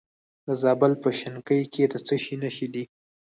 د زابل په شنکۍ کې د څه شي نښې دي؟